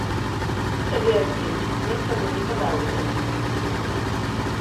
Ідзі сабе адзін, мне з табой не па дарозе.